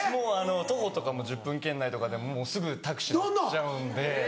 徒歩とかも１０分圏内とかでもすぐタクシー乗っちゃうんで。